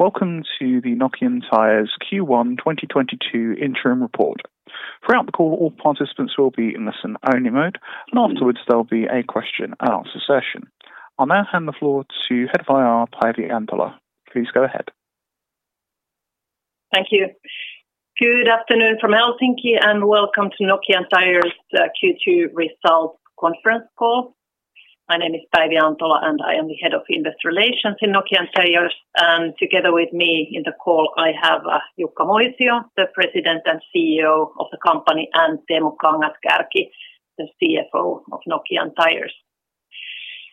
Welcome to the Nokian Tyres Q1 2022 interim report. Throughout the call, all participants will be in listen-only mode, and afterwards there'll be a question and answer session. I'll now hand the floor to Head of IR, Päivi Antola. Please go ahead. Thank you. Good afternoon from Helsinki, and welcome to Nokian Tyres' Q2 result conference call. My name is Päivi Antola, and I am the head of investor relations in Nokian Tyres, and together with me in the call, I have Jukka Moisio, the President and CEO of the company, and Teemu Kangas-Kärki, the CFO of Nokian Tyres.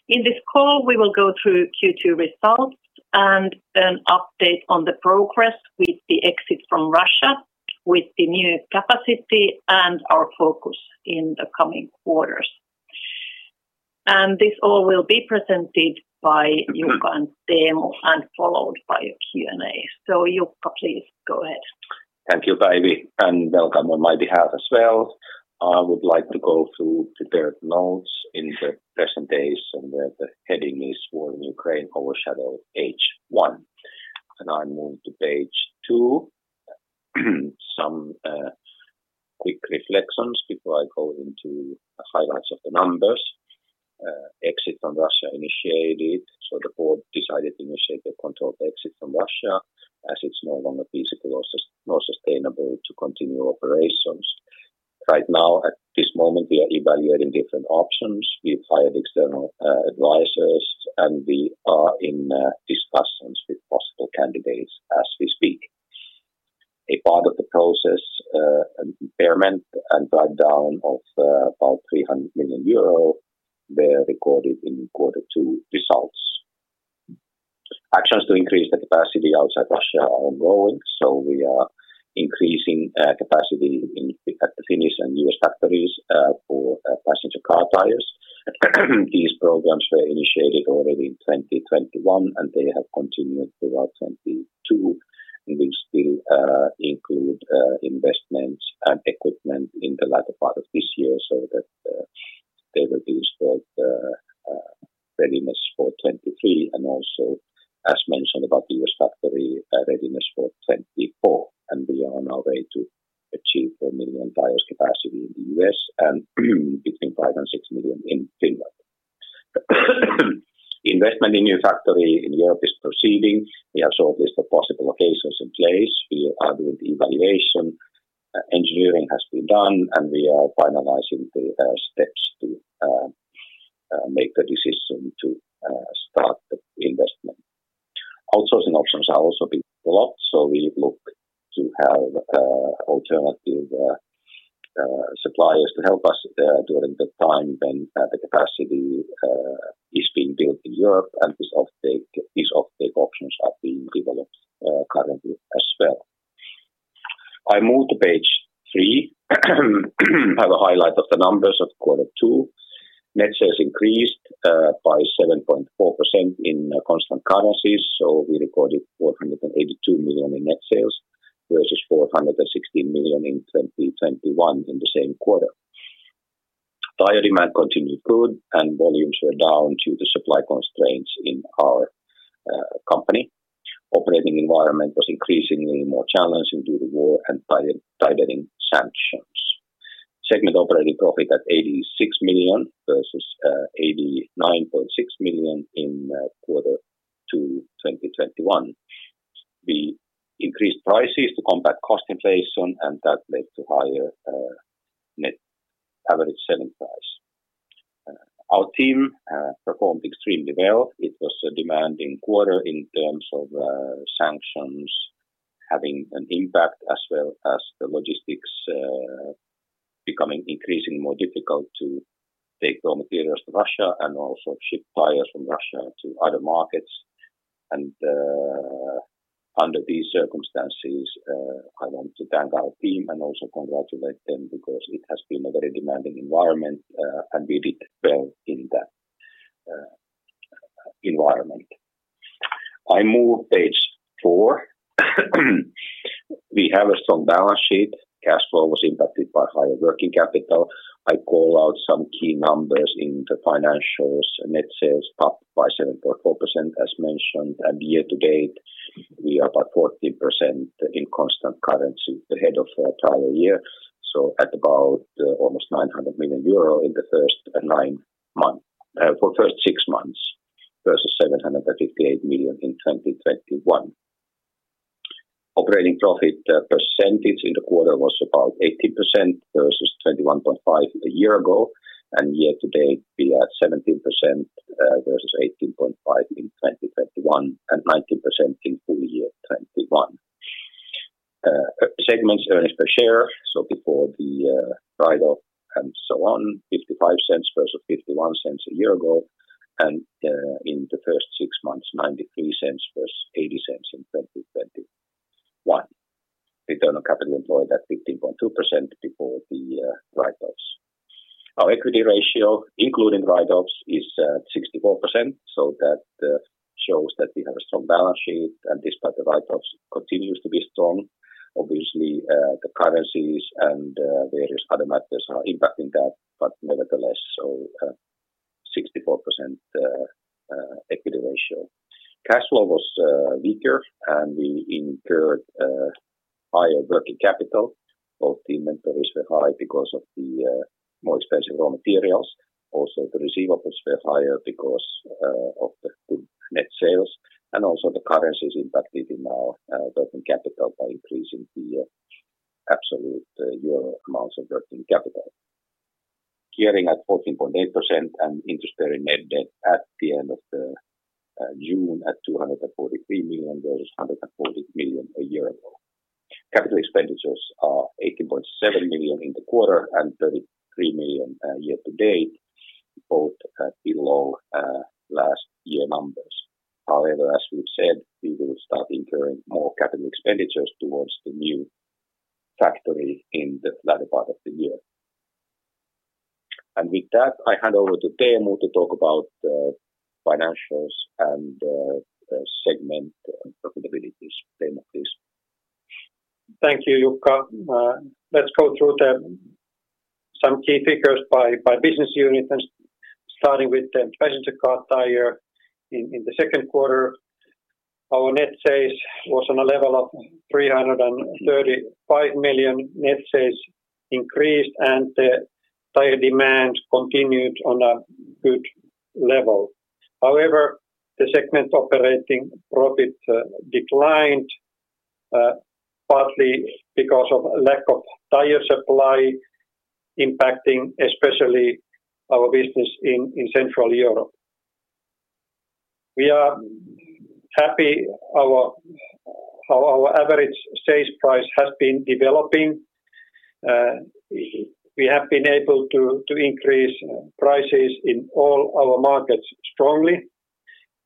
In this call, we will go through Q2 results and an update on the progress with the exit from Russia, with the new capacity and our focus in the coming quarters. This all will be presented by Jukka and Teemu, and followed by a Q&A. Jukka, please go ahead. Thank you, Päivi, and welcome on my behalf as well. I would like to go through prepared notes in the presentation where the heading is War in Ukraine overshadows H1. I move to page 2. Some quick reflections before I go into the highlights of the numbers. Exit from Russia initiated. The board decided to initiate a controlled exit from Russia as it's no longer feasible or sustainable to continue operations. Right now, at this moment, we are evaluating different options. We've hired external advisors, and we are in discussions with possible candidates as we speak. A part of the process, impairment and write-down of about 300 million euro, they are recorded in quarter two results. Actions to increase the capacity outside Russia are ongoing, so we are increasing capacity at the Finnish and US factories for passenger car tires. These programs were initiated already in 2021, and they have continued throughout 2022, and will still include investments and equipment in the latter part of this year so that they will be installed readiness for 2023. Also, as mentioned about the US factory, readiness for 2024, and we are on our way to achieve 4 million tires capacity in the US and between 5 and 6 million in Finland. Investment in new factory in Europe is proceeding. We have shortlisted possible locations in place. We are doing the evaluation. Engineering has to be done, and we are finalizing the steps to make the decision to start the investment. Outsourcing options are also being developed, so we look to have alternative suppliers to help us during the time when the capacity is being built in Europe and these offtake options are being developed currently as well. I move to page three. Have a highlight of the numbers of quarter two. Net sales increased by 7.4% in constant currencies, so we recorded 482 million in net sales versus 460 million in 2021 in the same quarter. Tire demand continued good and volumes were down due to supply constraints in our company. Operating environment was increasingly more challenging due to the war and by the sanctions. Segment operating profit at 86 million versus 89.6 million in quarter two 2021. We increased prices to combat cost inflation and that led to higher net average selling price. Our team performed extremely well. It was a demanding quarter in terms of sanctions having an impact as well as the logistics becoming increasingly more difficult to take raw materials to Russia and also ship tires from Russia to other markets. Under these circumstances, I want to thank our team and also congratulate them because it has been a very demanding environment, and we did well in that environment. I move to page four. We have a strong balance sheet. Cash flow was impacted by higher working capital. I call out some key numbers in the financials. Net sales up by 7.4% as mentioned. Year to date we are about 14% in constant currency ahead of the entire year, so at about almost 900 million euro for first six months versus 758 million in 2021. Operating profit percentage in the quarter was about 18% versus 21.5% a year ago. Year to date we are at 17% versus 18.5% in 2021 and 19% in full year 2021. Segments earnings per share, so before the write-off and so on, 0.55 versus 0.51 a year ago and in the first six months, 0.93 versus 0.80 in 2021. Return on capital employed at 15.2% before the write-offs. Our equity ratio including write-offs is 64%, so that shows that we have a strong balance sheet and despite the write-offs continues to be strong. Obviously, the currencies and various other matters are impacting that, but nevertheless, 64% equity ratio. Cash flow was weaker, and we incurred higher working capital. Both the inventories were high because of the more expensive raw materials. Also, the receivables were higher because of the good net sales, and also the currencies impacted in our working capital by increasing the absolute euro amounts of working capital. Gearing at 14.8% and interest bearing net debt at the end of June at 243 million was 140 million a year ago. Capital expenditures are 18.7 million in the quarter and 33 million year to date, both below last year numbers. However, as we've said, we will start incurring more capital expenditures towards the new factory in the latter part of the year. With that, I hand over to Teemu to talk about financials and segment profitabilities. Teemu, please. Thank you, Jukka. Let's go through some key figures by business unit and starting with the Passenger Car Tyres. In the second quarter, our net sales was on a level of 335 million. Net sales increased, and the tire demand continued on a good level. However, the segment operating profit declined partly because of lack of tire supply impacting especially our business in Central Europe. We are happy our how our average sales price has been developing. We have been able to increase prices in all our markets strongly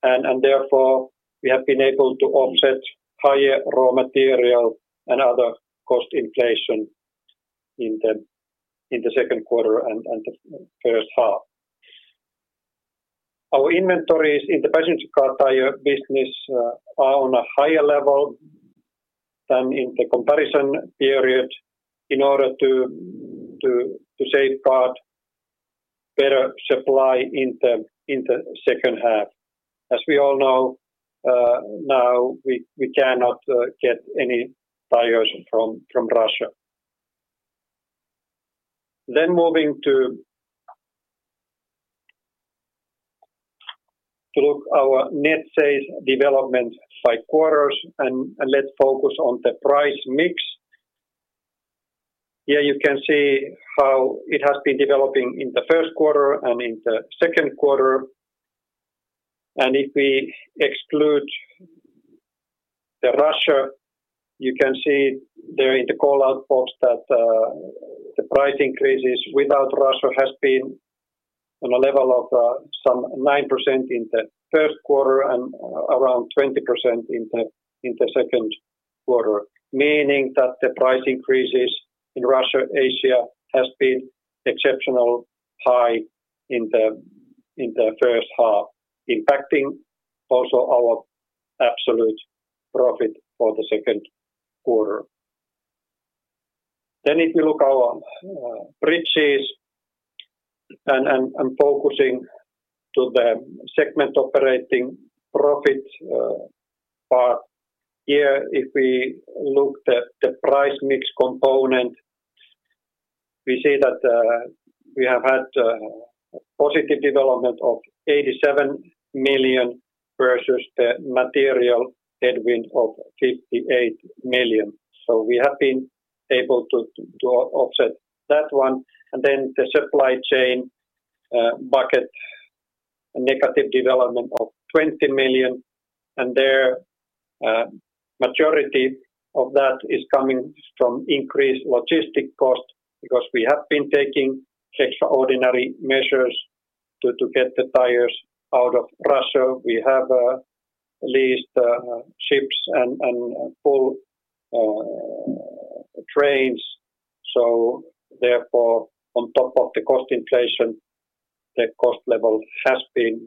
and therefore we have been able to offset higher raw material and other cost inflation in the second quarter and the first half. Our inventories in the Passenger Car Tyres business are on a higher level than in the comparison period in order to safeguard better supply in the second half. As we all know, now we cannot get any tires from Russia. Moving to look our net sales development by quarters, and let's focus on the price mix. Here you can see how it has been developing in the first quarter and in the second quarter. If we exclude Russia, you can see there in the callout box that the price increases without Russia has been on a level of some 9% in the first quarter and around 20% in the second quarter. Meaning that the price increases in Russia, Asia has been exceptionally high in the first half, impacting also our absolute profit for the second quarter. If you look at our bridge and focusing to the segment operating profit, part, here if we look the price mix component, we see that we have had positive development of 87 million versus the material headwind of 58 million. We have been able to offset that one. The supply chain bucket, a negative development of 20 million, and there majority of that is coming from increased logistics costs because we have been taking extraordinary measures to get the tires out of Russia. We have leased ships and full trains. Therefore, on top of the cost inflation, the cost level has been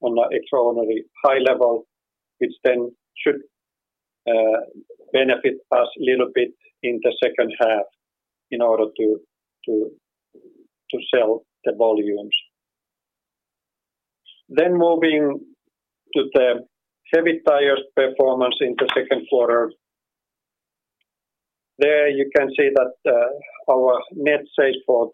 on an extraordinary high level, which then should benefit us a little bit in the second half in order to sell the volumes. Moving to the Heavy Tyres performance in the second quarter. There you can see that our net sales for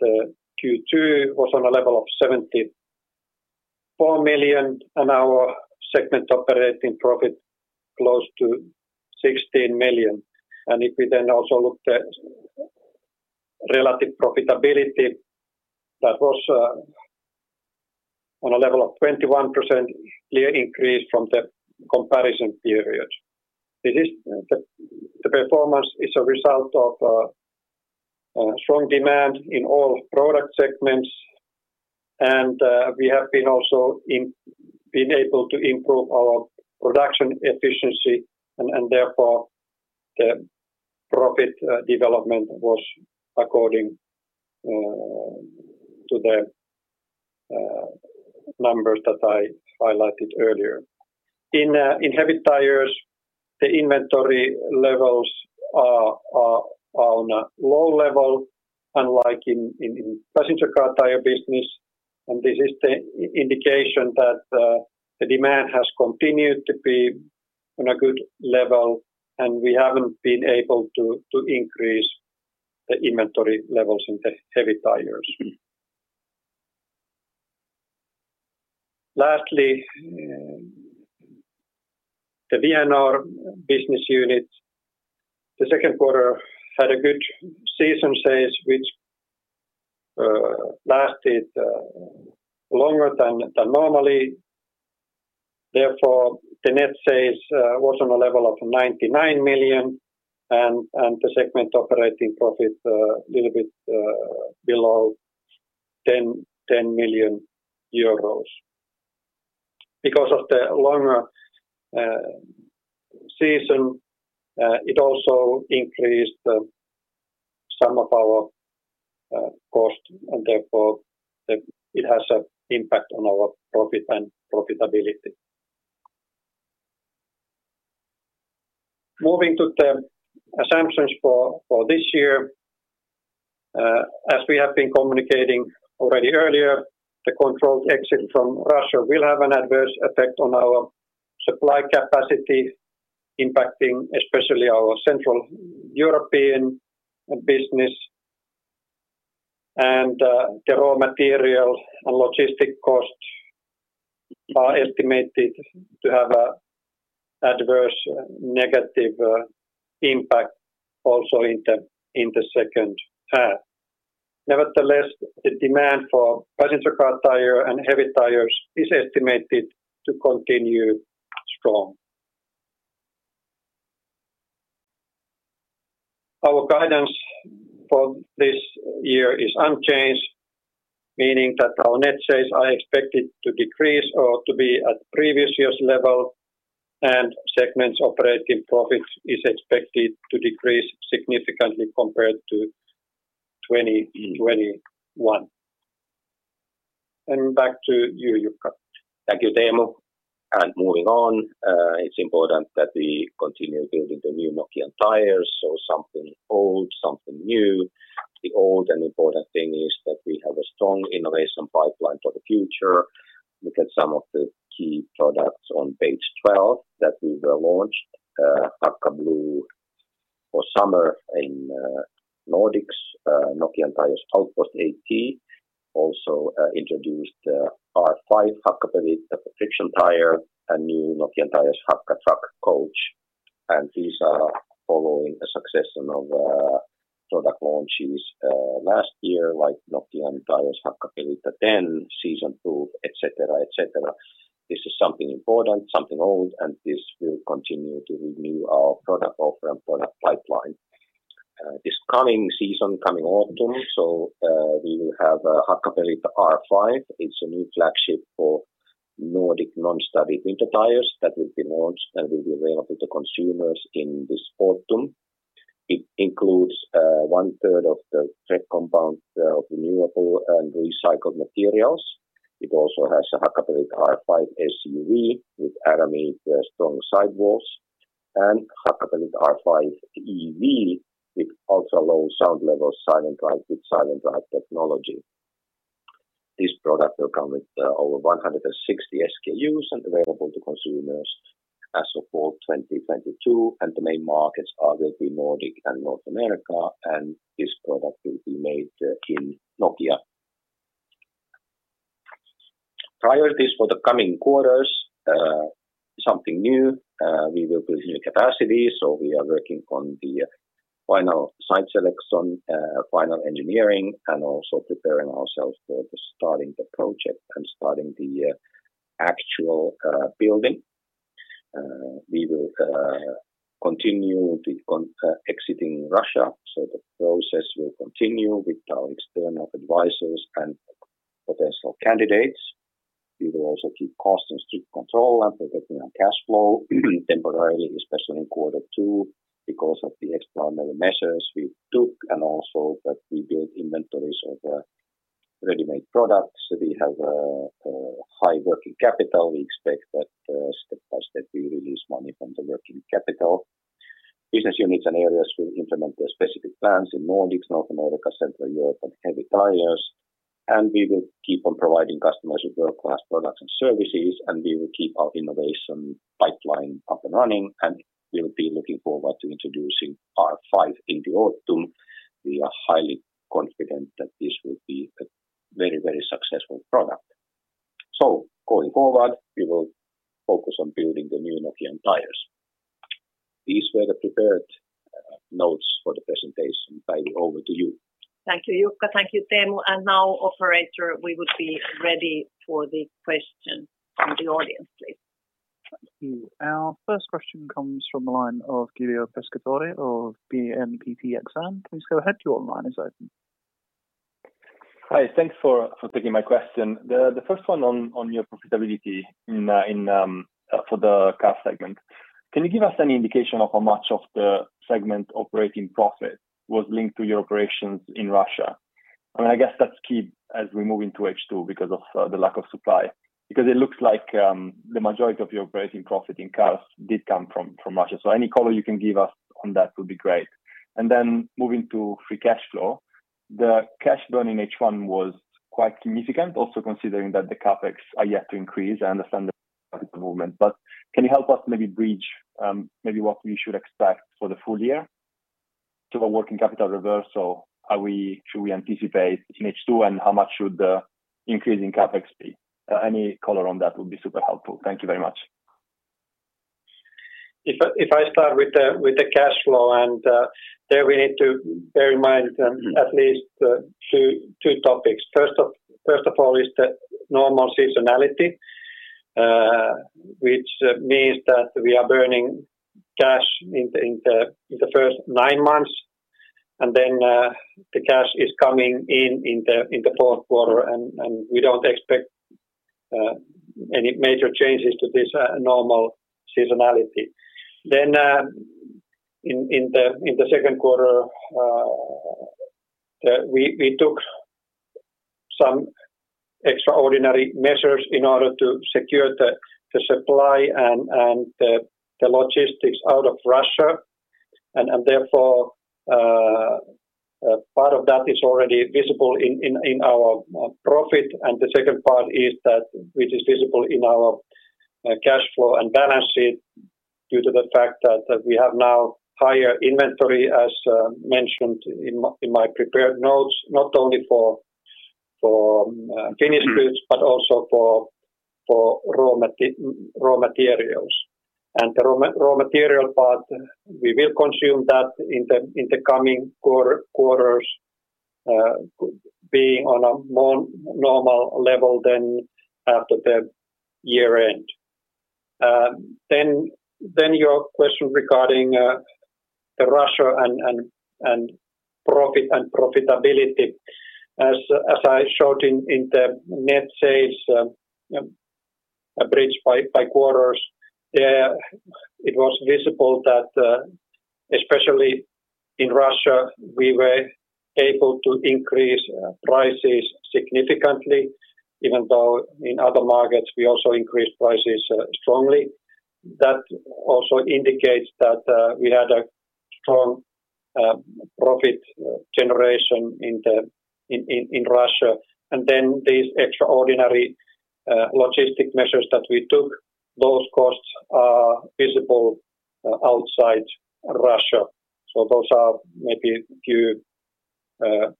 the Q2 was on a level of 74 million, and our segment operating profit close to 16 million. If we then also look at relative profitability, that was on a level of 21% year-over-year increase from the comparison period. The performance is a result of strong demand in all product segments, and we have been also able to improve our production efficiency and therefore the profit development was according to the numbers that I highlighted earlier. In Heavy Tyres, the inventory levels are on a low level unlike in Passenger Car Tyres business, and this is the indication that the demand has continued to be on a good level, and we haven't been able to increase the inventory levels in the Heavy Tyres. Lastly, the Vianor business unit, the second quarter had good seasonal sales which lasted longer than normal. Therefore, the net sales was on a level of 99 million and the segment operating profit little bit below EUR 10 million. Because of the longer season, it also increased some of our costs and therefore it has an impact on our profit and profitability. Moving to the assumptions for this year, as we have been communicating already earlier, the controlled exit from Russia will have an adverse effect on our supply capacity, impacting especially our central European business. The raw material and logistics costs are estimated to have an adverse negative impact also in the second half. Nevertheless, the demand for passenger car tire and heavy tires is estimated to continue strong. Our guidance for this year is unchanged, meaning that our net sales are expected to decrease or to be at previous year's level, and segments operating profits is expected to decrease significantly compared to 2021. Back to you, Jukka. Thank you, Teemu. Moving on, it's important that we continue building the new Nokian Tyres, so something old, something new. The old and important thing is that we have a strong innovation pipeline for the future. Look at some of the key products on page 12 that we've launched. Hakka Blue for summer in Nordics, Nokian Tyres Outpost AT also introduced, R5 Hakkapeliitta friction tire and new Nokian Tyres Hakka Truck Coach. These are following a succession of product launches last year like Nokian Tyres Hakkapeliitta 10, Seasonproof, et cetera, et cetera. This is something important, something old, and this will continue to renew our product offer and product pipeline. This coming season, coming autumn, we will have Hakkapeliitta R5. It's a new flagship for Nordic non-studded winter tires that will be launched and will be available to consumers in this autumn. It includes one third of the tread compound of renewable and recycled materials. It also has a Hakkapeliitta R5 SUV with Aramid strong sidewalls and Hakkapeliitta R5 EV with ultra-low sound levels, silent drive with SilentDrive technology. This product will come with over 160 SKUs and available to consumers as of fall 2022, and the main markets will be Nordic and North America, and this product will be made in Nokia. Priorities for the coming quarters something new. We will build new capacity, so we are working on the final site selection, final engineering, and also preparing ourselves for starting the project and the actual building. We will continue exiting Russia, so the process will continue with our external advisors and potential candidates. We will also keep costs and strict control and protecting our cash flow temporarily, especially in quarter two because of the extraordinary measures we took and also that we build inventories of ready-made products. We have a high working capital. We expect that step-by-step we release money from the working capital. Business units and areas will implement their specific plans in Nordics, North America, Central Europe, and Heavy Tyres. We will keep on providing customers with world-class products and services, and we will keep our innovation pipeline up and running, and we'll be looking forward to introducing R5 in the autumn. We are highly confident that this will be a very, very successful product. Going forward, we will focus on building the new Nokian Tyres. These were the prepared notes for the presentation. Päivi Antola, over to you. Thank you, Jukka. Thank you, Teemu. Now, operator, we would be ready for the question from the audience, please. Thank you. Our first question comes from the line of Guido Pescatore of BNP Paribas Exane. Please go ahead, your line is open. Hi. Thanks for taking my question. The first one on your profitability for the car segment. Can you give us any indication of how much of the segment operating profit was linked to your operations in Russia? I mean, I guess that's key as we move into H2 because of the lack of supply. Because it looks like the majority of your operating profit in cars did come from Russia. So any color you can give us on that would be great. Moving to free cash flow, the cash burn in H1 was quite significant, also considering that the CapEx are yet to increase. I understand the movement. Can you help us maybe bridge maybe what we should expect for the full year to a working capital reversal? Should we anticipate in H2, and how much should the increase in CapEx be? Any color on that would be super helpful. Thank you very much. If I start with the cash flow, there we need to bear in mind at least two topics. First of all is the normal seasonality, which means that we are burning cash in the first nine months, and then the cash is coming in the fourth quarter, and we don't expect any major changes to this normal seasonality. In the second quarter, we took some extraordinary measures in order to secure the supply and the logistics out of Russia and therefore part of that is already visible in our profit. The second part is that which is visible in our cash flow and balance sheet due to the fact that we have now higher inventory, as mentioned in my prepared notes, not only for finished goods, but also for raw materials. The raw material part, we will consume that in the coming quarters, being on a more normal level than after the year-end. Then your question regarding Russia and profit and profitability. As I showed in the net sales bridged by quarters, it was visible that especially in Russia, we were able to increase prices significantly, even though in other markets we also increased prices strongly. That also indicates that we had a strong profit generation in the... in Russia. Then these extraordinary logistical measures that we took. Those costs are visible outside Russia. Those are maybe a few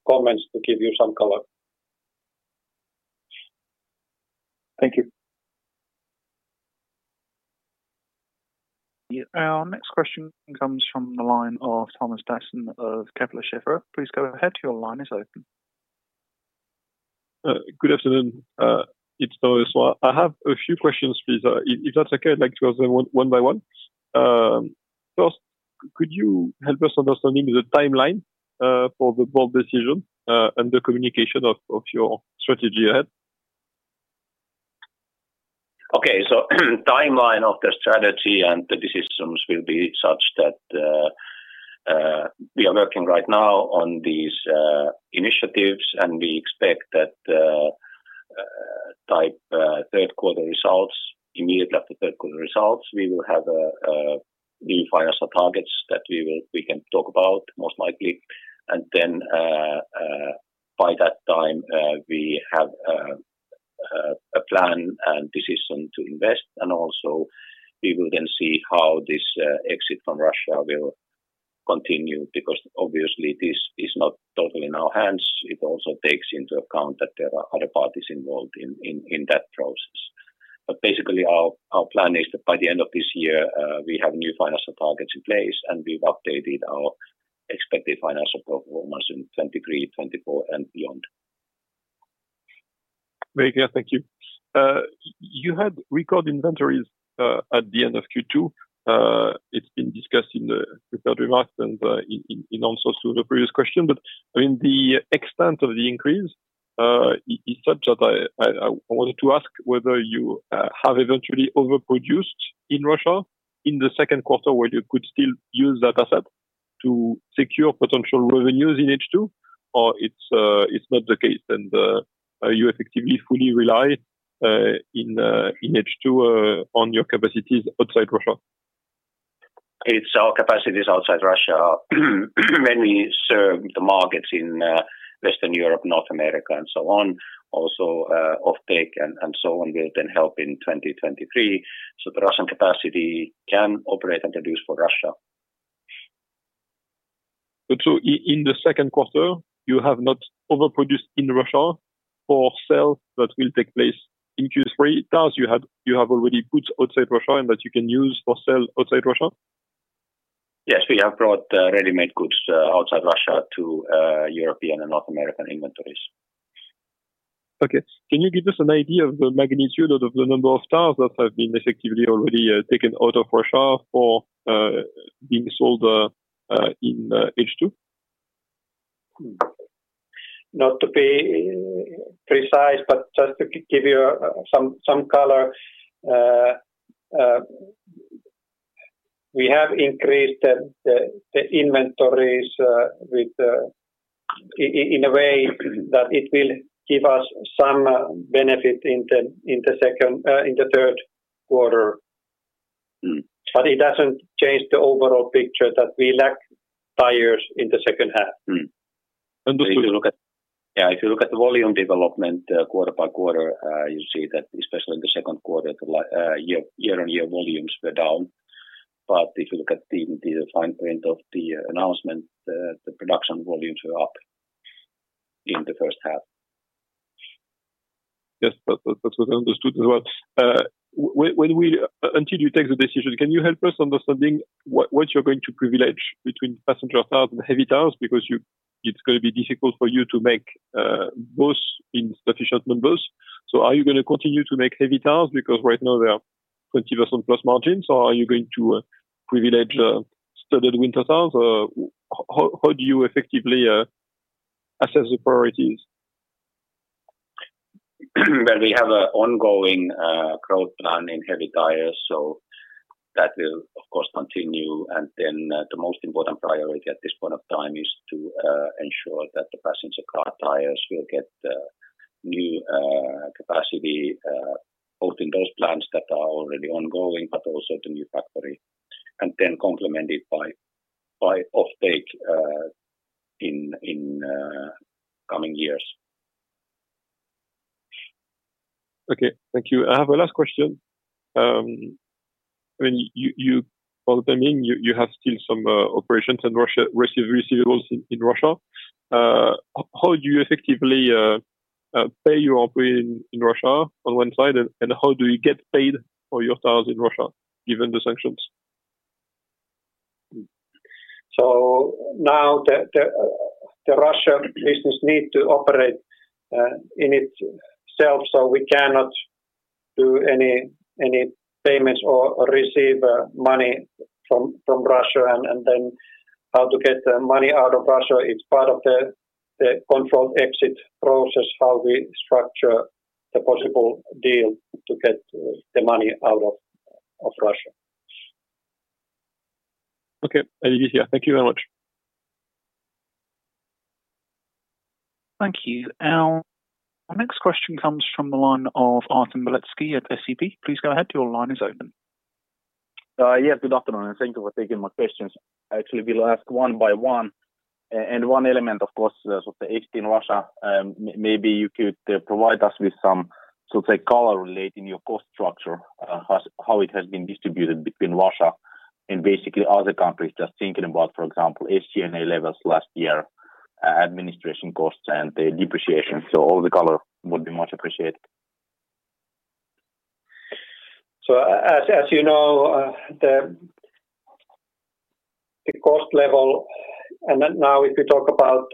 comments to give you some color. Thank you. Our next question comes from the line of Thomas Besson of Kepler Cheuvreux. Please go ahead. Your line is open. Good afternoon. It's Thomas Besson. I have a few questions, please. If that's okay, I'd like to ask them one by one. First, could you help us understand the timeline for the board decision and the communication of your strategy ahead? Okay. Timeline of the strategy and the decisions will be such that we are working right now on these initiatives, and we expect that by third quarter results, immediately after third quarter results, we will have new financial targets that we can talk about most likely. By that time, we have a plan and decision to invest, and also we will then see how this exit from Russia will continue, because obviously this is not totally in our hands. It also takes into account that there are other parties involved in that process. Basically, our plan is that by the end of this year, we have new financial targets in place, and we've updated our expected financial performance in 2023, 2024 and beyond. Very clear. Thank you. You had record inventories at the end of Q2. It's been discussed in the prepared remarks and in answers to the previous question. I mean, the extent of the increase is such that I wanted to ask whether you have eventually overproduced in Russia in the second quarter, where you could still use that asset to secure potential revenues in H2, or it's not the case and you effectively fully rely in H2 on your capacities outside Russia? It's our capacities outside Russia when we serve the markets in Western Europe, North America and so on. Also, offtake and so on will then help in 2023. The Russian capacity can operate and produce for Russia. In the second quarter, you have not overproduced in Russia for sale that will take place in Q3. Thus you have already put outside Russia and that you can use for sale outside Russia? Yes. We have brought ready-made goods outside Russia to European and North American inventories. Okay. Can you give us an idea of the magnitude of the number of cars that have been effectively already taken out of Russia for being sold in H2? Not to be precise, but just to give you some color. We have increased the inventories in a way that it will give us some benefit in the third quarter. Mm. It doesn't change the overall picture that we lack tires in the second half. Understood. Yeah, if you look at the volume development, quarter by quarter, you see that especially in the second quarter, year-on-year volumes were down. If you look at the fine print of the announcement, the production volumes were up in the first half. Yes. That's what I understood as well. Until you take the decision, can you help us understanding what you're going to privilege between passenger cars and Heavy Tyres because it's gonna be difficult for you to make both in sufficient numbers. Are you gonna continue to make Heavy Tyres because right now they are 20% plus margins, or are you going to privilege studded winter tires? Or how do you effectively assess the priorities? Well, we have an ongoing growth plan in Heavy Tyres, so that will of course continue. The most important priority at this point of time is to ensure that the Passenger Car Tyres will get new capacity both in those plants that are already ongoing, but also the new factory, and then complemented by offtake in coming years. Okay. Thank you. I have a last question. When you still have some operations in Russia, receivables in Russia. How do you effectively pay your operations in Russia on one side, and how do you get paid for your tires in Russia given the sanctions? Now the Russia business need to operate in itself, so we cannot do any payments or receive money from Russia. Then how to get the money out of Russia, it's part of the controlled exit process, how we structure the possible deal to get the money out of Russia. Okay. Yeah. Thank you very much. Thank you. Our next question comes from the line of Artem Beletski at SEB. Please go ahead, your line is open. Yeah, good afternoon, and thank you for taking my questions. Actually will ask one by one. One element, of course, sort of the HD in Russia, maybe you could provide us with some sort of color relating your cost structure, how it has been distributed between Russia and basically other countries. Just thinking about, for example, SG&A levels last year, administration costs and the depreciation. All the color would be much appreciated. As you know, the cost level. Then now if you talk about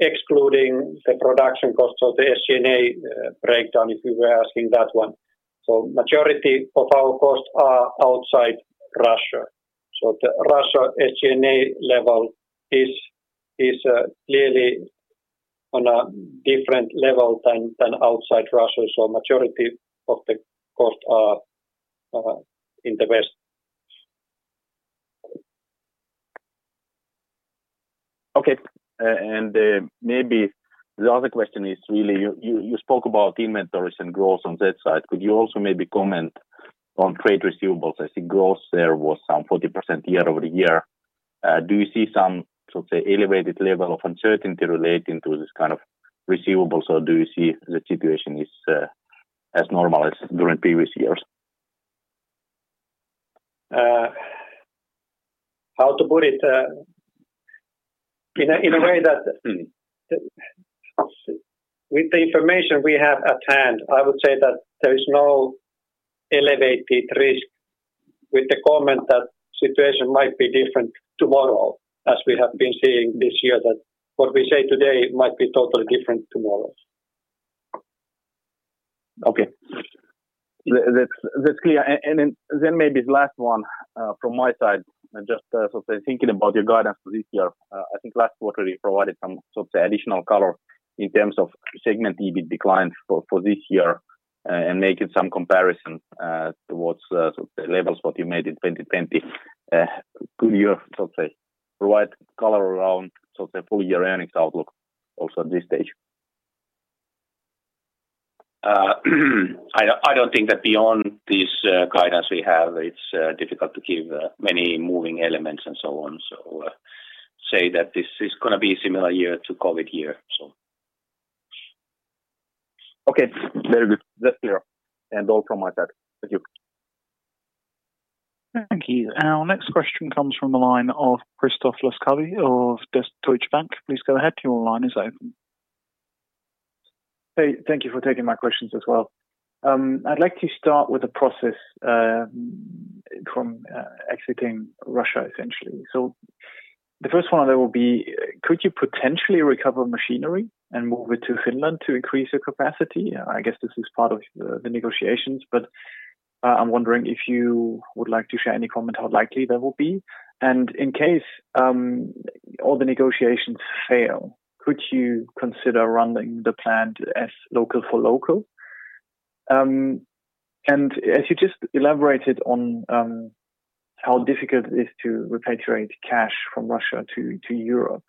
excluding the production cost of the SG&A breakdown, if you were asking that one. Majority of our costs are outside Russia. The Russia SG&A level is clearly on a different level than outside Russia. Majority of the costs are in the West. Okay. Maybe the other question is really you spoke about inventories and growth on that side. Could you also maybe comment on trade receivables? I think growth there was some 40% year-over-year. Do you see some sort of, say, elevated level of uncertainty relating to this kind of receivables, or do you see the situation as normal as during previous years? With the information we have at hand, I would say that there is no elevated risk with the comment that situation might be different tomorrow, as we have been seeing this year, that what we say today might be totally different tomorrow. Okay. That's clear. Then maybe the last one from my side, just sort of thinking about your guidance for this year. I think last quarter you provided some sort of additional color in terms of segment EBIT declines for this year and making some comparison towards sort of the levels that you made in 2020. Could you sort of provide color around sort of full year earnings outlook also at this stage? I don't think that beyond this guidance we have, it's difficult to give many moving elements and so on. Say that this is gonna be a similar year to COVID year, so. Okay. Very good. That's clear. All from my side. Thank you. Thank you. Our next question comes from the line of Christoph Loscalzo of Deutsche Bank. Please go ahead, your line is open. Hey, thank you for taking my questions as well. I'd like to start with the process from exiting Russia essentially. The first one of that will be, could you potentially recover machinery and move it to Finland to increase your capacity? I guess this is part of the negotiations, but I'm wondering if you would like to share any comment how likely that will be? In case all the negotiations fail, could you consider running the plant as local for local? As you just elaborated on how difficult it is to repatriate cash from Russia to Europe,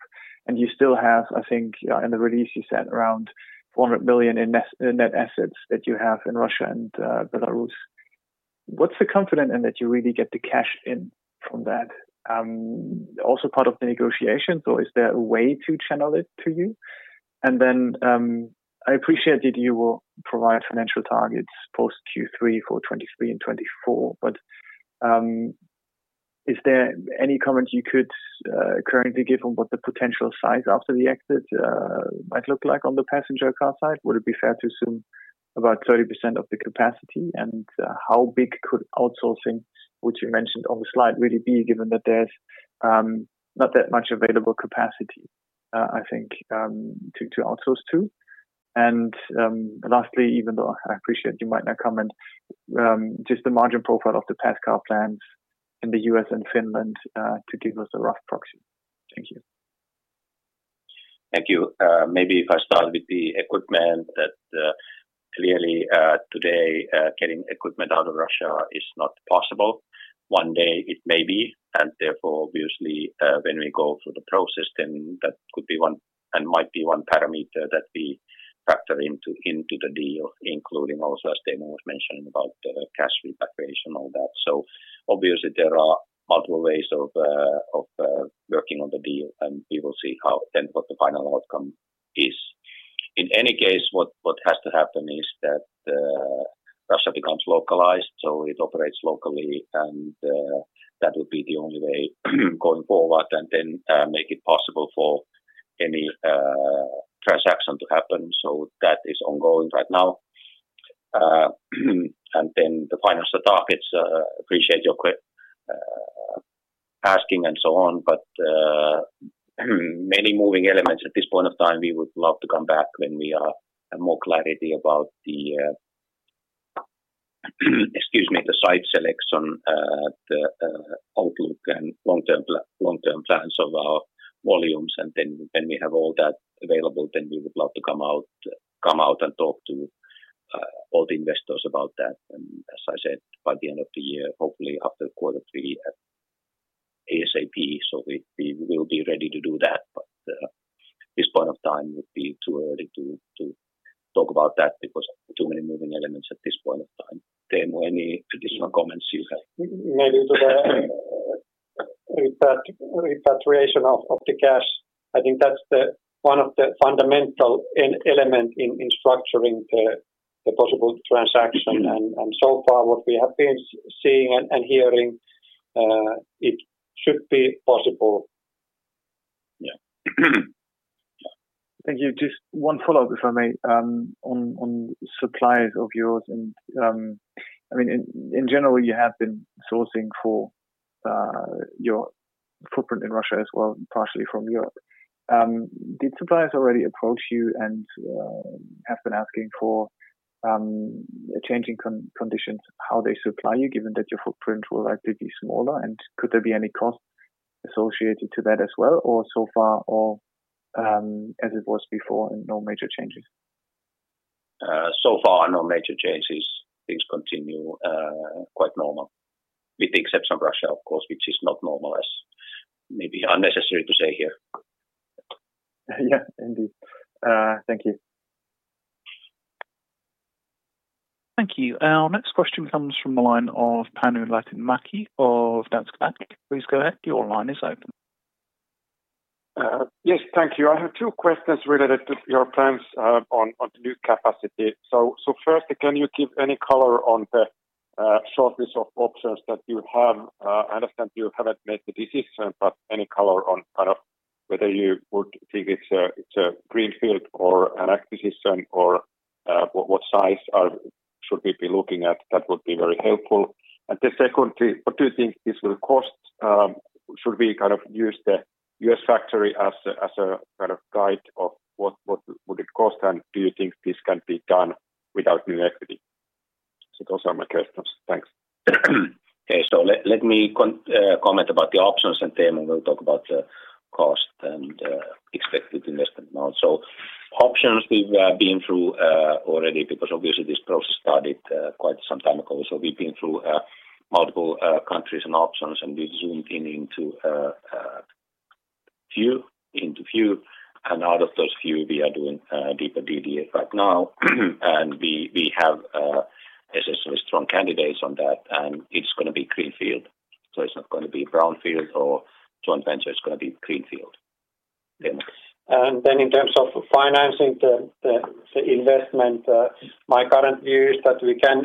and you still have, I think, in the release you said around 400 million in net assets that you have in Russia and Belarus. What's the confidence in that you really get the cash in from that? Also part of the negotiations, or is there a way to channel it to you? I appreciate that you will provide financial targets post Q3 for 2023 and 2024. Is there any comment you could currently give on what the potential size after the exit might look like on the passenger car side? Would it be fair to assume about 30% of the capacity? How big could outsourcing, which you mentioned on the slide, really be, given that there's not that much available capacity, I think, to outsource to? Lastly, even though I appreciate you might not comment, just the margin profile of the passenger car plants in the U.S. and Finland, to give us a rough proxy. Thank you. Thank you. Maybe if I start with the equipment that clearly today, getting equipment out of Russia is not possible. One day it may be, and therefore, obviously, when we go through the process, then that could be one and might be one parameter that we factor into the deal, including also as Teemu was mentioning about the cash repatriation, all that. Obviously there are multiple ways of working on the deal, and we will see how then what the final outcome is. In any case, what has to happen is that Russia becomes localized, so it operates locally, and that will be the only way going forward and then make it possible for any transaction to happen. That is ongoing right now. The finance targets, appreciate your asking and so on, but many moving elements at this point of time. We would love to come back when we have more clarity about the site selection, the outlook and long-term plans of our volumes. Then when we have all that available, then we would love to come out and talk to all the investors about that. As I said, by the end of the year, hopefully after quarter three, ASAP, so we will be ready to do that. This point of time would be too early to talk about that because too many moving elements at this point of time. Teemu, any additional comments you have? Maybe to the repatriation of the cash. I think that's one of the fundamental element in structuring the possible transaction. So far what we have been seeing and hearing, it should be possible. Yeah. Thank you. Just one follow-up, if I may, on suppliers of yours and, I mean in general, you have been sourcing for your footprint in Russia as well, partially from Europe. Did suppliers already approach you and have been asking for a change in conditions, how they supply you, given that your footprint will likely be smaller? Could there be any cost associated to that as well, or so far or as it was before and no major changes? So far, no major changes. Things continue quite normal. With the exception of Russia, of course, which is not normal as may be unnecessary to say here. Yeah, indeed. Thank you. Thank you. Our next question comes from the line of Panu Laitinmäki of Danske Bank. Please go ahead, your line is open. Yes. Thank you. I have two questions related to your plans on the new capacity. First, can you give any color on the shortage of options that you have? I understand you haven't made the decision, but any color on kind of whether you would think it's a greenfield or an acquisition or what size should we be looking at? That would be very helpful. Second, what do you think this will cost? Should we kind of use the US factory as a kind of guide of what it would cost? Do you think this can be done without new equity? Those are my questions. Thanks. Let me comment about the options, and Teemu Kangas-Kärki will talk about the cost and expected investment amount. Options we've been through already because obviously this process started quite some time ago. We've been through multiple countries and options, and we zoomed in on few. Out of those few we are doing deeper DD right now. We have necessarily strong candidates on that, and it's gonna be greenfield. It's not gonna be brownfield or joint venture, it's gonna be greenfield. Teemu Kangas-Kärki. In terms of financing the investment, my current view is that we can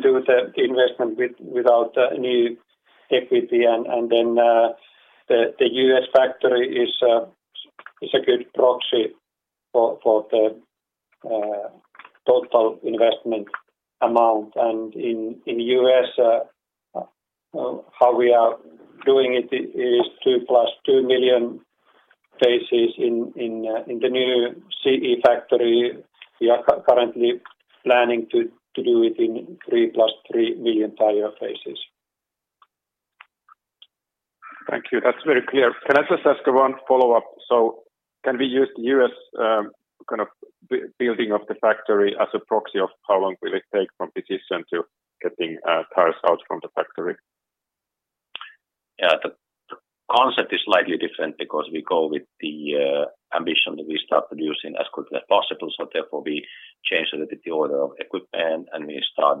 do the investment without new equity and then the U.S. factory is a good proxy for the total investment amount. In the U.S., how we are doing it is 2 + 2 million phases in the new CE factory. We are currently planning to do it in 3 + 3 million tire phases. Thank you. That's very clear. Can I just ask one follow-up? Can we use the US kind of building of the factory as a proxy of how long will it take from decision to getting tires out from the factory? Yeah. The concept is slightly different because we go with the ambition that we start producing as quickly as possible. Therefore, we change a little bit the order of equipment, and we start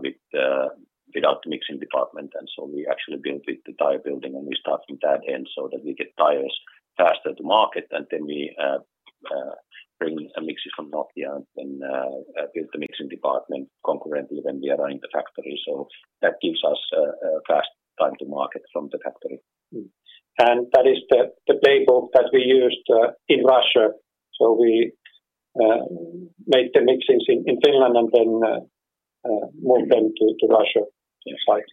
without the mixing department. We actually build with the tire building, and we start from that end so that we get tires faster to market. We bring a mixer from Nokian and build the mixing department concurrently when we are running the factory. That gives us a fast time to market from the factory. That is the playbook that we used in Russia. We made the mixes in Finland and then moved them to Russian site.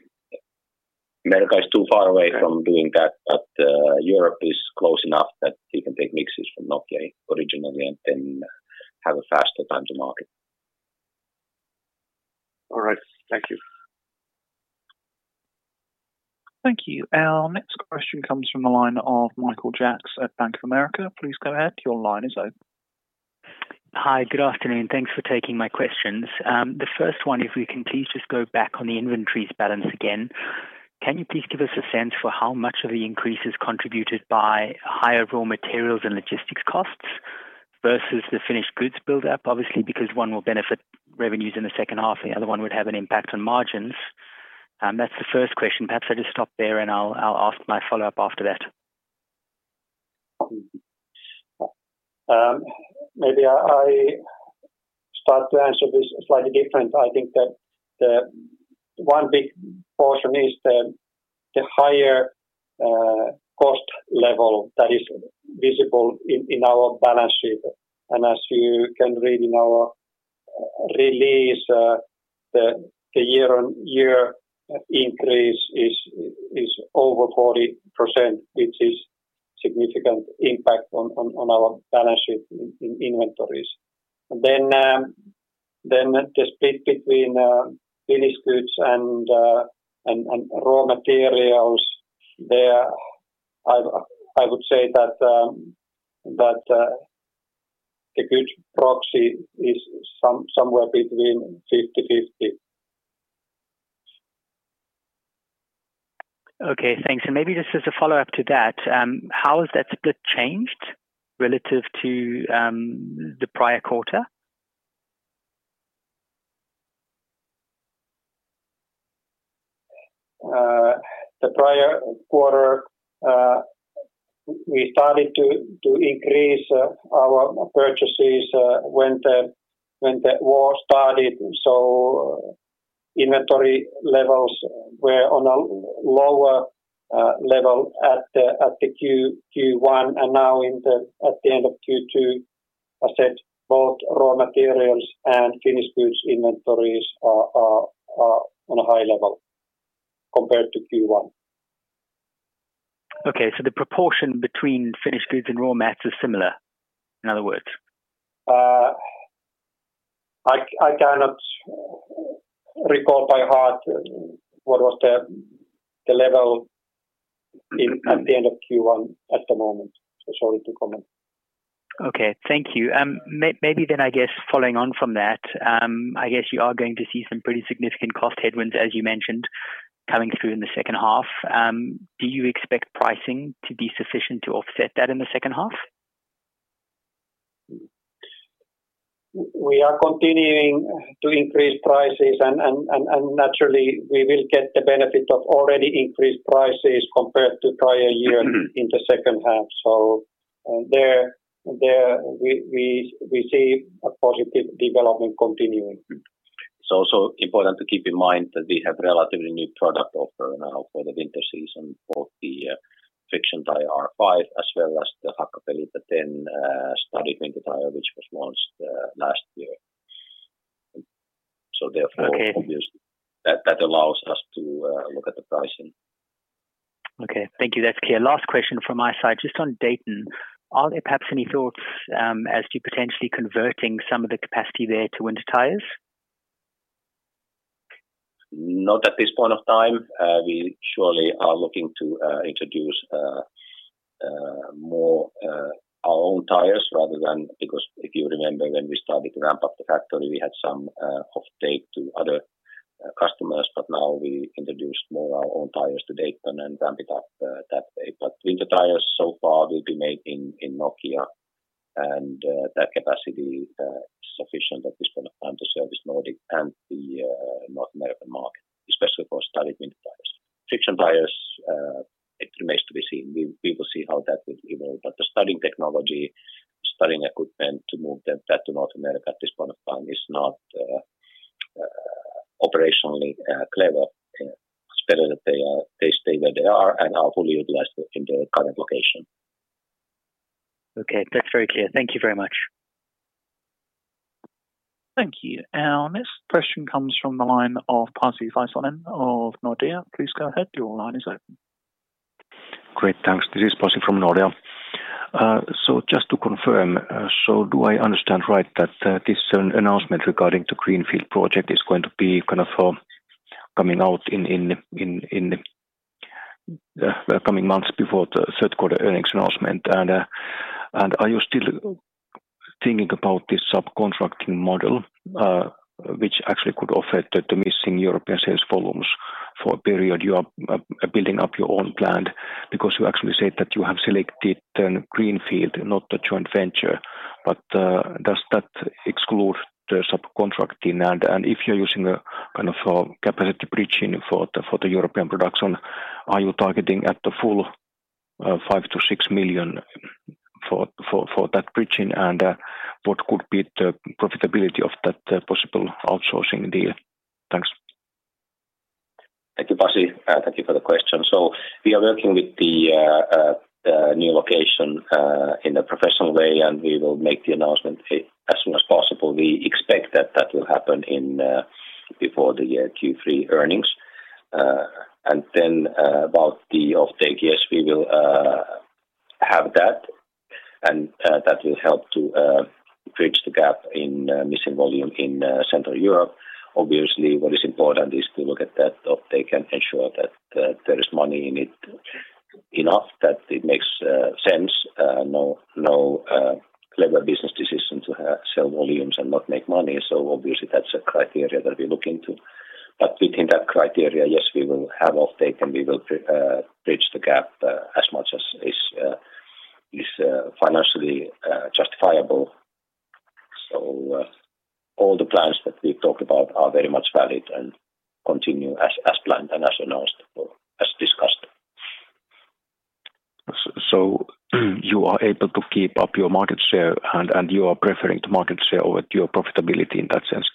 America is too far away from doing that, but Europe is close enough that we can take mixes from Nokian originally and then have a faster time to market. All right. Thank you. Thank you. Our next question comes from the line of Michael Jacks at Bank of America. Please go ahead. Your line is open. Hi. Good afternoon. Thanks for taking my questions. The first one, if we can please just go back on the inventories balance again. Can you please give us a sense for how much of the increase is contributed by higher raw materials and logistics costs versus the finished goods build up? Obviously, because one will benefit revenues in the second half, the other one would have an impact on margins. That's the first question. Perhaps I just stop there, and I'll ask my follow-up after that. Maybe I start to answer this slightly different. I think that the one big portion is the higher cost level that is visible in our balance sheet. As you can read in our release, the year-on-year increase is over 40%, which is significant impact on our balance sheet in inventories. The split between finished goods and raw materials, there I would say that a good proxy is somewhere between 50/50. Okay. Thanks. Maybe just as a follow-up to that, how has that split changed relative to the prior quarter? The prior quarter, we started to increase our purchases when the war started. Inventory levels were on a lower level at the Q1. Now at the end of Q2, I said both raw materials and finished goods inventories are on a high level compared to Q1. Okay. The proportion between finished goods and raw materials is similar, in other words? I cannot recall by heart what was the level in- Mm-hmm at the end of Q1 at the moment. Sorry to comment. Okay. Thank you. Maybe I guess following on from that, I guess you are going to see some pretty significant cost headwinds as you mentioned coming through in the second half. Do you expect pricing to be sufficient to offset that in the second half? We are continuing to increase prices and naturally we will get the benefit of already increased prices compared to prior year in the second half. There we see a positive development continuing. It's also important to keep in mind that we have relatively new product offering now for the winter season, both the friction tire R5 as well as the Hakkapeliitta 10 studded winter tire, which was launched last year. Therefore, Okay Obviously that allows us to look at the pricing. Okay. Thank you. That's clear. Last question from my side, just on Dayton. Are there perhaps any thoughts as to potentially converting some of the capacity there to winter tires? Not at this point of time. We surely are looking to introduce more our own tires rather than because if you remember when we started to ramp up the factory, we had some offtake to other customers. Now we introduced more our own tires to Dayton and ramp it up that way. Winter tires so far will be made in Nokia and that capacity sufficient at this point of time to service Nordic and the North American market, especially for studded winter tires. Friction tires it remains to be seen. We will see how that will evolve. The studding technology, studding equipment to move them that to North America at this point of time is not operationally clever. It's better that they stay where they are and are fully utilized in their current location. Okay. That's very clear. Thank you very much. Thank you. Our next question comes from the line of Pasi Väisänen of Nordea. Please go ahead. Your line is open. Great. Thanks. This is Pasi Väisänen from Nordea. Just to confirm, do I understand right that this announcement regarding the greenfield project is going to be kind of coming out in the coming months before the third quarter earnings announcement? Are you still thinking about this subcontracting model, which actually could affect the missing European sales volumes for a period you are building up your own plant? Because you actually said that you have selected the greenfield, not the joint venture, but does that exclude the subcontracting? If you are using a kind of capacity bridging for the European production, are you targeting at the full 5-6 million for that bridging? What could be the profitability of that possible outsourcing deal? Thanks. Thank you, Pasi. Thank you for the question. We are working with the new location in a professional way, and we will make the announcement as soon as possible. We expect that will happen before the Q3 earnings. About the offtake, yes, we will have that, and that will help to bridge the gap in missing volume in Central Europe. Obviously, what is important is to look at that offtake and ensure that there is money in it enough that it makes sense. No clever business decision to sell volumes and not make money. Obviously that's a criteria that we look into. Within that criteria, yes, we will have offtake and we will bridge the gap, as much as is financially justifiable. All the plans that we've talked about are very much valid and continue as planned and as announced or as discussed. You are able to keep up your market share and you are preferring the market share over your profitability in that sense?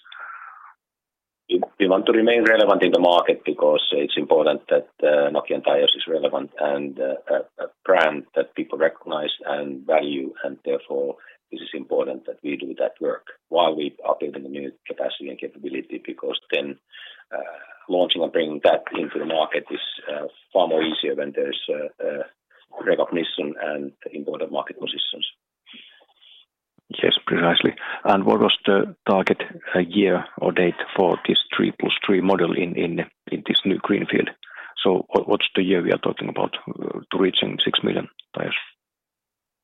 We want to remain relevant in the market because it's important that Nokian Tyres is relevant and a brand that people recognize and value. Therefore this is important that we do that work while we are building the new capacity and capability because then launching and bringing that into the market is far more easier when there's recognition and important market positions. Yes, precisely. What was the target year or date for this 3 + 3 model in this new Greenfield? What's the year we are talking about to reaching 6 million tires?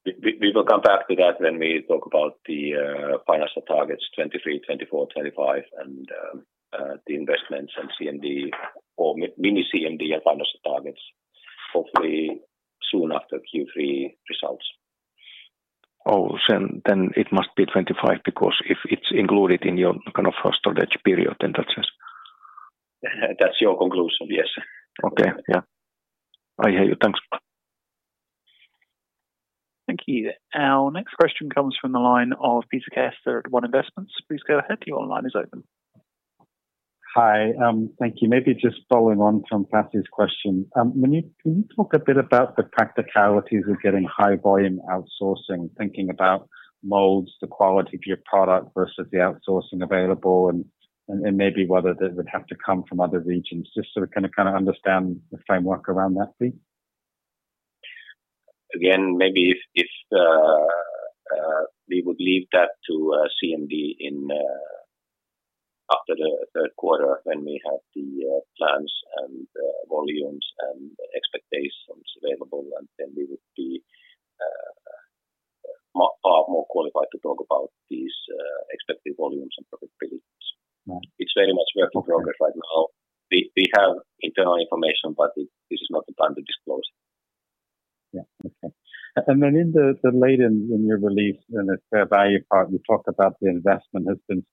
We will come back to that when we talk about the financial targets, 2023, 2024, 2025, and the investments and CMD or mini CMD and financial targets, hopefully soon after Q3 results. Oh, it must be 25 because if it's included in your kind of storage period, then that's just. That's your conclusion. Yes. Okay. Yeah. I hear you. Thanks. Thank you. Our next question comes from the line of Peter Kester at Kester Capital. Please go ahead. Your line is open. Hi. Thank you. Maybe just following on from Pasi's question. Can you talk a bit about the practicalities of getting high volume outsourcing, thinking about molds, the quality of your product versus the outsourcing available and maybe whether they would have to come from other regions, just so we can kind of understand the framework around that, please. Again, maybe if we would leave that to CMD in after the third quarter when we have the plans and volumes and expectations available, and then we would be far more qualified to talk about these expected volumes and profitabilities. Right. It's very much work in progress right now. We have internal information, but this is not the time to disclose. Yeah. Okay. In the latter part of your release, in the fair value part, you talked about the investment has been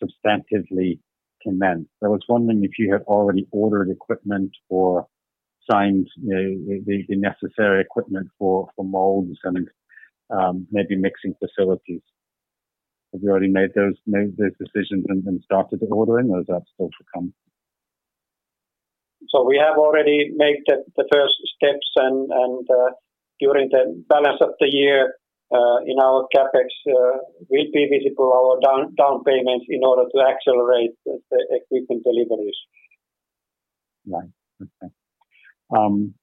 substantially commenced. I was wondering if you had already ordered equipment or signed for the necessary equipment for molds and maybe mixing facilities. Have you already made those decisions and started ordering or is that still to come? We have already made the first steps and during the balance of the year in our CapEx will be visible our down payments in order to accelerate the equipment deliveries. Right. Okay.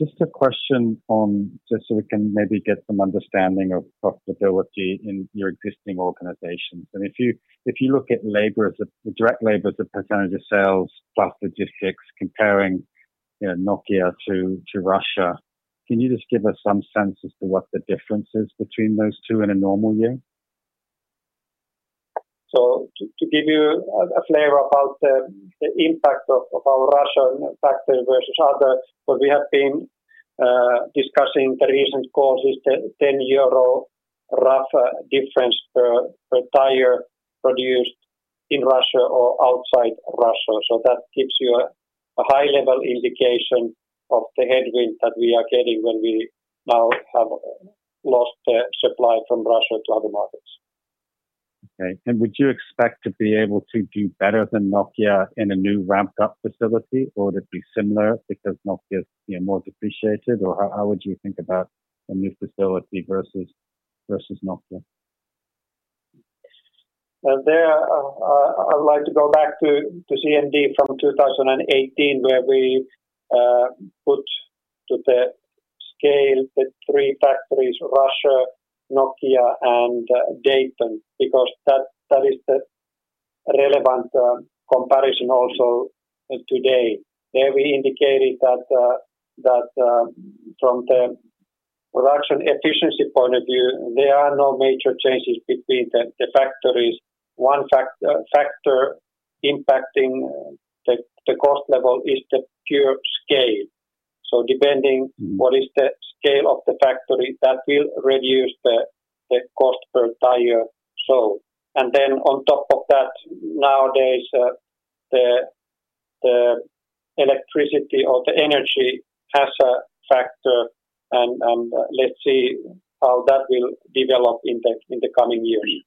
Just a question on just so we can maybe get some understanding of profitability in your existing organizations. If you look at the direct labor as a percentage of sales plus logistics comparing Nokian to Russia, can you just give us some sense as to what the difference is between those two in a normal year? To give you a flavor about the impact of our Russia factor versus others, what we have been discussing on recent calls is 10 euro rough difference per tire produced in Russia or outside Russia. That gives you a high-level indication of the headwind that we are getting when we now have lost the supply from Russia to other markets. Okay. Would you expect to be able to do better than Nokian in a new ramped up facility, or would it be similar because Nokian is, you know, more depreciated? How would you think about a new facility versus Nokian? I would like to go back to CMD from 2018 where we put to scale the three factories, Russia, Nokian and Dayton, because that is the relevant comparison also today. There we indicated that from the production efficiency point of view, there are no major changes between the factories. One factor impacting the cost level is the pure scale. Depending what is the scale of the factory, that will reduce the cost per tire. And then on top of that, nowadays the electricity or the energy as a factor and let's see how that will develop in the coming years.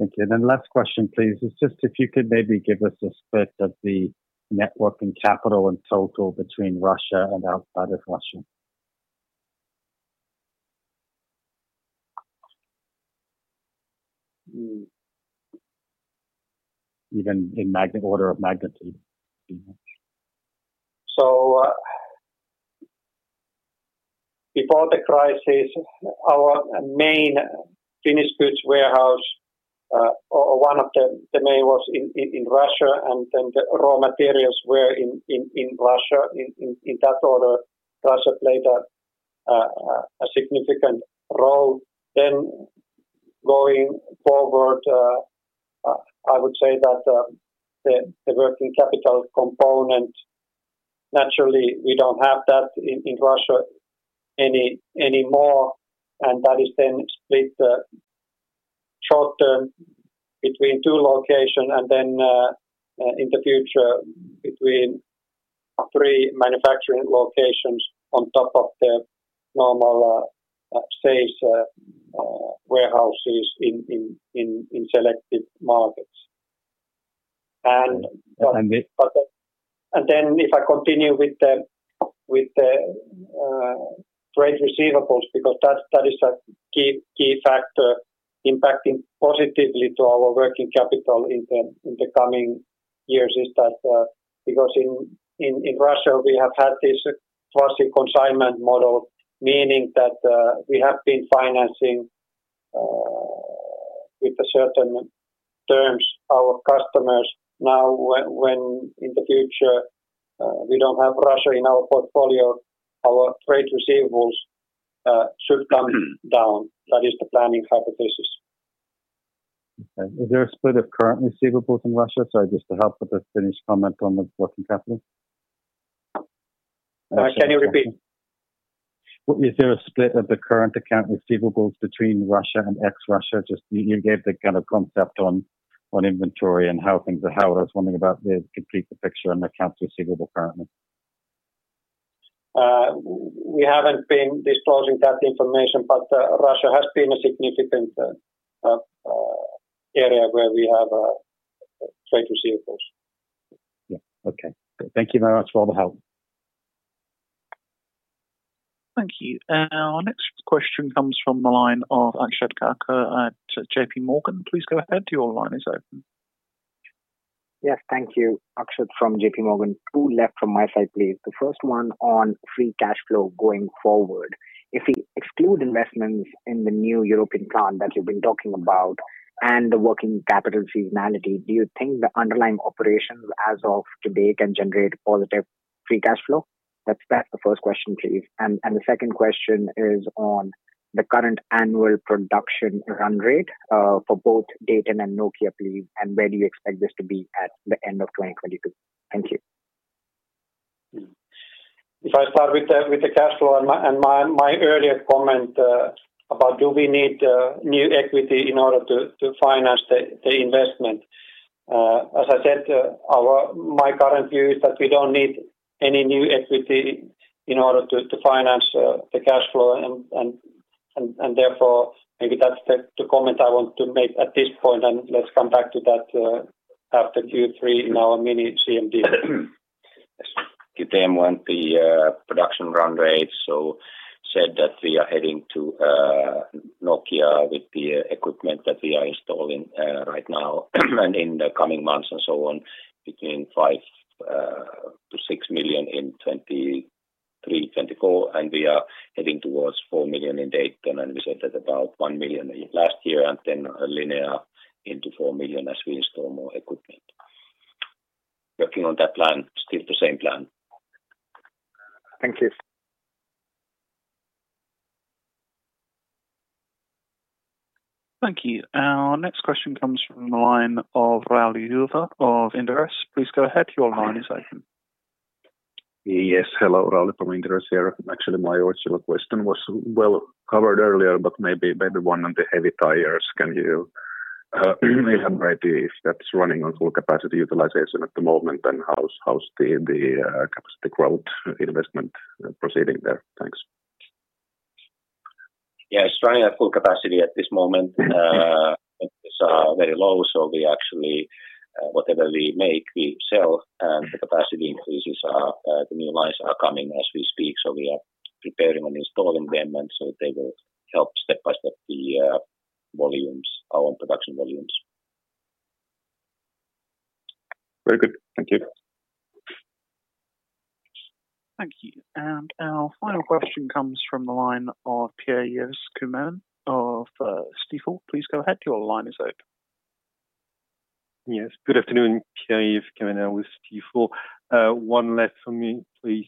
Thank you. Last question, please. It's just if you could maybe give us a split of the net working capital in total between Russia and outside of Russia? Mm. Even in order of magnitude. Before the crisis, our main finished goods warehouse, or one of the main was in Russia, and then the raw materials were in Russia. In that order, Russia played a significant role. Going forward, I would say that the working capital component, naturally, we don't have that in Russia anymore, and that is then split short-term between two locations and then in the future between three manufacturing locations on top of the normal sales warehouses in selected markets. And this- If I continue with the trade receivables, because that is a key factor impacting positively to our working capital in the coming years, is that because in Russia we have had this classic consignment model, meaning that we have been financing with the certain terms our customers. Now when in the future we don't have Russia in our portfolio, our trade receivables should come down. That is the planning hypothesis. Okay. Is there a split of current receivables in Russia? Sorry, just to help with the Finnish comment on the working capital. Can you repeat? Is there a split of the current accounts receivable between Russia and ex-Russia? Just you gave the kind of concept on inventory and how things are held. I was wondering about the complete picture on accounts receivable currently. We haven't been disclosing that information, but Russia has been a significant area where we have trade receivables. Yeah. Okay. Thank you very much for all the help. Thank you. Our next question comes from the line of Akshat Kacker at JPMorgan. Please go ahead. Your line is open. Yes, thank you. Akshat from JPMorgan. Two left from my side, please. The first one on free cash flow going forward. If we exclude investments in the new European plant that you've been talking about and the working capital seasonality, do you think the underlying operations as of today can generate positive free cash flow? That's the first question, please. And the second question is on the current annual production run rate for both Dayton and Nokian, please, and where do you expect this to be at the end of 2022? Thank you. If I start with the cash flow and my earlier comment about do we need new equity in order to finance the investment. As I said, my current view is that we don't need any new equity in order to finance the cash flow and therefore, maybe that's the comment I want to make at this point, and let's come back to that after Q3 in our mini CMD. Teemu, on the production run rates, we said that we are heading to Nokian with the equipment that we are installing right now and in the coming months and so on, between 5-6 million in 2023-2024, and we are heading towards 4 million in Dayton, and we said that about 1 million last year and then a linear into 4 million as we install more equipment. We're working on that plan, still the same plan. Thank you. Thank you. Our next question comes from the line of Rauli Juva of Inderes. Please go ahead. Your line is open. Yes. Hello, Rauli Juva from Inderes here. Actually, my original question was well covered earlier, but maybe one on the Heavy Tyres. Can you elaborate if that's running on full capacity utilization at the moment, and how's the capacity growth investment proceeding there? Thanks. Yeah, it's running at full capacity at this moment. Costs are very low, so we actually whatever we make, we sell, and the capacity increases are, the new lines are coming as we speak, so we are preparing and installing them, and so they will help step by step the, volumes, our production volumes. Very good. Thank you. Thank you. Our final question comes from the line of Pierre-Yves Quemener of Stifel. Please go ahead. Your line is open. Yes. Good afternoon, Pierre-Yves Quemener with Stifel. One last from me, please.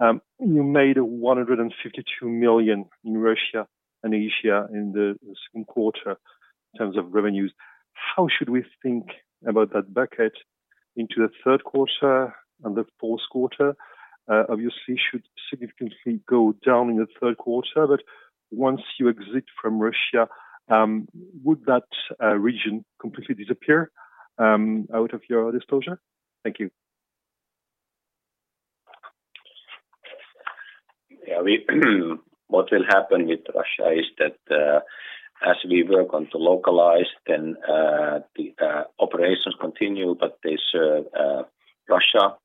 You made 152 million in Russia and Asia in the second quarter in terms of revenues. How should we think about that bucket into the third quarter and the fourth quarter? Obviously, it should significantly go down in the third quarter, but once you exit from Russia, would that region completely disappear out of your disclosure? Thank you. Yeah. What will happen with Russia is that, as we work on to localize then, the operations continue, but they serve Russia.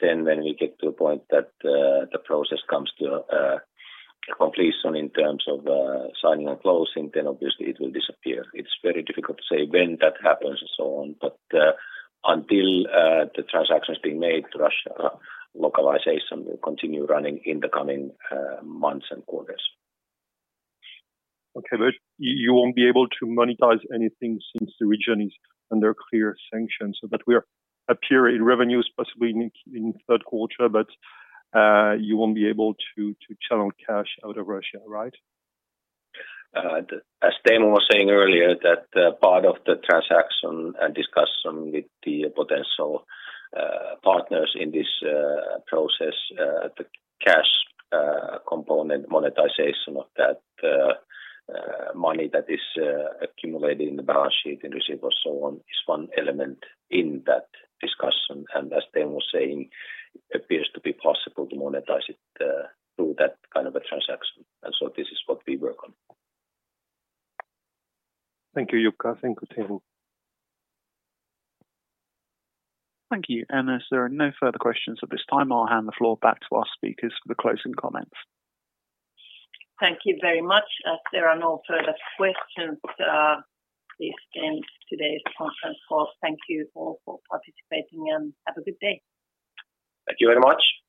Then when we get to a point that the process comes to completion in terms of signing and closing, then obviously it will disappear. It's very difficult to say when that happens and so on. Until the transaction is being made, Russia localization will continue running in the coming months and quarters. You won't be able to monetize anything since the region is under clear sanctions, but we appear in revenues possibly in the third quarter, but you won't be able to channel cash out of Russia, right? As Teemu was saying earlier, that part of the transaction and discussion with the potential partners in this process, the cash component monetization of that money that is accumulating in the balance sheet and receivables, so on, is one element in that discussion. As Teemu was saying, it appears to be possible to monetize it through that kind of a transaction. This is what we work on. Thank you, Jukka. Thank you, Teemu. Thank you. As there are no further questions at this time, I'll hand the floor back to our speakers for the closing comments. Thank you very much. As there are no further questions, this ends today's conference call. Thank you all for participating and have a good day. Thank you very much. Bye-bye.